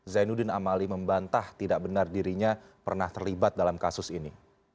zainuddin amali membantah tidak benar dirinya pernah terlibat dalam kasus ini